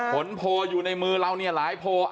ผลโพลอยู่ในมือเราเนี่ยหลายโพล